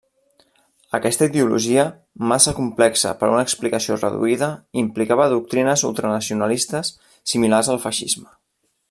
Aquesta ideologia, massa complexa per a una explicació reduïda implicava doctrines ultranacionalistes similars al feixisme.